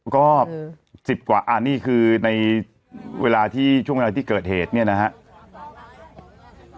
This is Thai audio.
ก็๑๐กว่าอันนี้คือในเวลาที่เกิดเหตุเนี่ยนะครับ